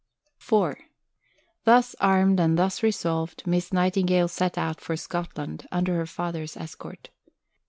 IV Thus armed, and thus resolved, Miss Nightingale set out for Scotland, under her father's escort.